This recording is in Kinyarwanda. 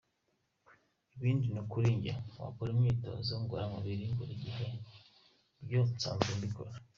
Ibindi ni kuri njye, gukora imyitozo ngororamubiri buri gihe byo nsanzwe mbikora.